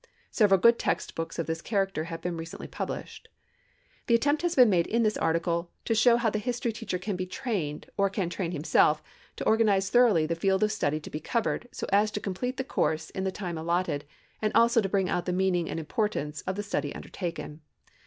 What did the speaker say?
Several good text books of this character have been recently published. The attempt has been made in this article to show how the history teacher can be trained, or can train himself, to organize thoroughly the field of study to be covered so as to complete the course in the time allotted and also bring out the meaning and importance of the study undertaken.